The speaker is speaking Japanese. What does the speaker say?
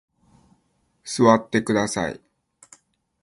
座ってください。